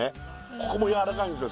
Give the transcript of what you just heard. ここもやわらかいんですよ